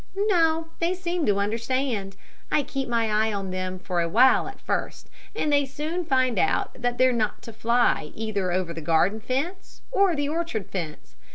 "No; they seem to understand. I keep my eye on them for a while at first, and they soon find out that they're not to fly either over the garden fence or the orchard fence.